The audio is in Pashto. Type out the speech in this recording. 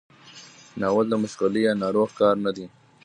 ناول د مشغلې یا ناروغ کار نه دی.